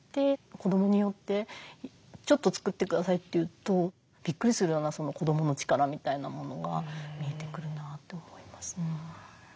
子どもによってちょっと作ってくださいっていうとびっくりするような子どもの力みたいなものが見えてくるなと思います。